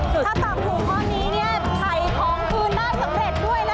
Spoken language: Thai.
ถ้าตอบถูกข้อนี้เนี่ยถ่ายของคืนได้สำเร็จด้วยนะ